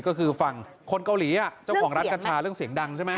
ก็คือฝั่งคนเกาหลีเจ้าของร้านกัญชาเรื่องเสียงดังใช่ไหม